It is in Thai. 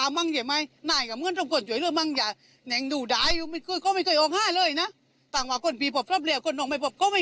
ไม่ใช่แฝดดูเนียมันผู้หญิงเพลงเกิดออกห้ามีไป